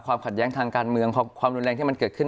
ขัดแย้งทางการเมืองความรุนแรงที่มันเกิดขึ้น